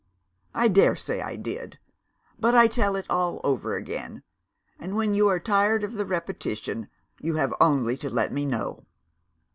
I dare say I did; but I tell it all over again and, when you are tired of the repetition, you have only to let me know.